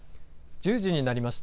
１０時になりました。